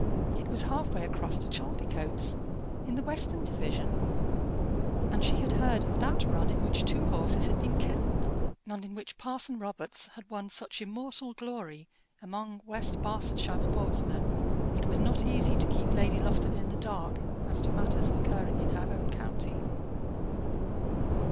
It was half way across to Chaldicotes in the western division; and she had heard of that run in which two horses had been killed, and in which Parson Robarts had won such immortal glory among West Barsetshire sportsmen. It was not easy to keep Lady Lufton in the dark as to matters occurring in her own county.